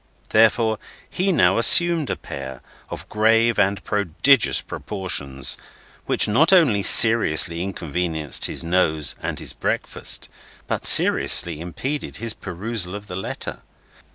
Therefore he now assumed a pair, of grave and prodigious proportions, which not only seriously inconvenienced his nose and his breakfast, but seriously impeded his perusal of the letter.